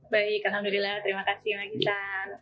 baik alhamdulillah terima kasih magitan